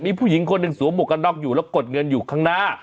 มีผู้หญิงคนในสวมกระนอกอยู่แล้วกดเงินอยู่ข้างหน้า